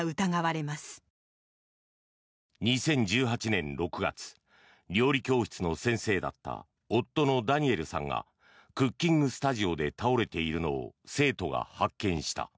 ２０１８年６月料理教室の先生だった夫のダニエルさんがクッキングスタジオで倒れているのを生徒が発見した。